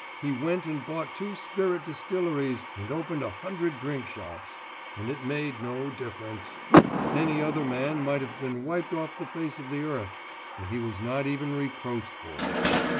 he went and bought two spirit distilleries and opened a hundred drink shops and it made no difference! Any other man might have been wiped off the face of the earth, but he was not even reproached for it.